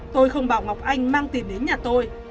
tôi không bảo ngọc anh mang tiền đến nhà tôi